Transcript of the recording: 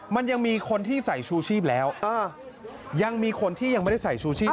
มันยังมีคนที่ใส่ชูชีพแล้วยังมีคนที่ยังไม่ได้ใส่ชูชีพ